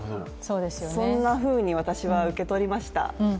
そんなふうに私は受け取りました。